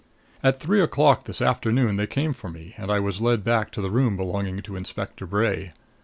At three o'clock this afternoon they came for me and I was led back to the room belonging to Inspector Bray.